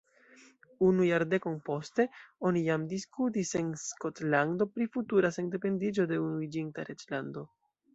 Unu jardekon poste, oni jam diskutis en Skotlando pri futura sendependiĝo de Unuiĝinta Reĝlando.